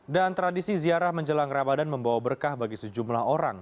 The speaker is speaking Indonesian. dan tradisi ziarah menjelang ramadan membawa berkah bagi sejumlah orang